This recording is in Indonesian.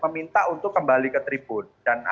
minta untuk kembali ke tribun